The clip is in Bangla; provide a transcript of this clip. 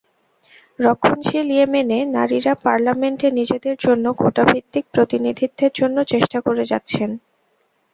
রক্ষণশীল ইয়েমেনে নারীরা পার্লামেন্টে নিজেদের জন্য কোটাভিত্তিক প্রতিনিধিত্বের জন্য চেষ্টা করে যাচ্ছেন।